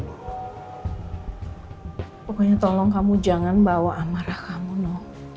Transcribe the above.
pokoknya tolong kamu jangan bawa amarah kamu no